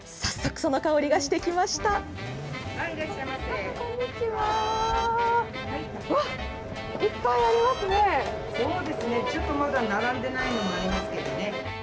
そうですね、ちょっとまだ並んでないのもありますけどね。